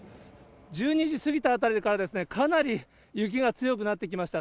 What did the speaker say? １２時過ぎたあたりから、かなり雪が強くなってきました。